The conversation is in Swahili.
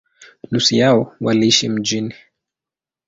Nusu yao waliishi mjini.